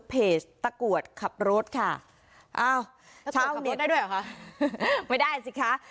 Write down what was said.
เพจตะกรวดขับรถค่ะเอ้าได้ด้วยเหรอคะไม่ได้สิคะ